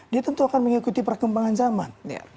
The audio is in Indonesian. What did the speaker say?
dia tentu akan mengikuti perkembangan zaman